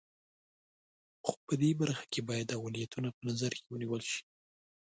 خو په دې برخه کې باید اولویتونه په نظر کې ونیول شي.